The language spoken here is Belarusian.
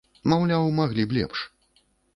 Маўляў, маглі б лепш.